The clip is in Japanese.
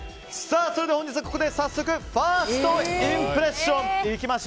それでは本日はここで早速ファーストインプレッション。